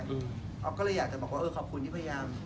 ออฟก็เลยอยากจะบอกว่าเออขอบคุณที่พยายาม